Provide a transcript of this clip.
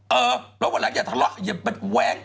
เออแล้ววันหลังอย่าทะเลาะอย่าไปแว้ง